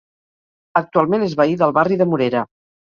Actualment és veí del barri de Morera.